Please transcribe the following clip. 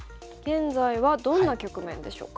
現在はどんな局面でしょうか。